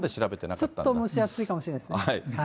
ちょっと蒸し暑いかもしれないですね。